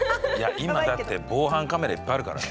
今だって防犯カメラいっぱいあるからね。